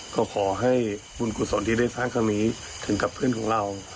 ก็ขอให้บุญกุศลที่ได้สร้างครั้งนี้ถึงกับเพื่อนของเรา